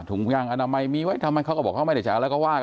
ถึงยังอาณาไมมีไว้ทำไมเขาก็บอกเขาไม่ได้จะแล้วก็ว่า